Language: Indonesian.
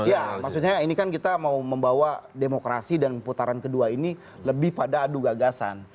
ya maksudnya ini kan kita mau membawa demokrasi dan putaran kedua ini lebih pada adu gagasan